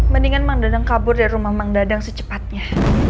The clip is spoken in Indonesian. mendingan mang dadang kabur dari rumah mang dadang secepatnya